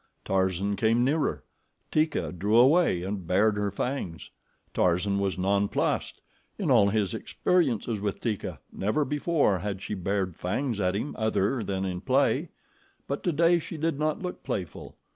Tarzan came nearer. Teeka drew away and bared her fangs. Tarzan was nonplussed. In all his experiences with Teeka, never before had she bared fangs at him other than in play; but today she did not look playful.